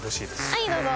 はいどうぞ！